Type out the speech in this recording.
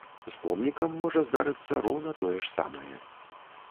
З помнікам можа здарыцца роўна тое ж самае.